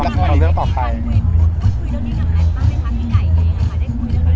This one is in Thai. แม็กซ์ก็คือหนักที่สุดในชีวิตเลยจริง